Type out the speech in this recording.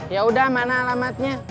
yaudah mana alamatnya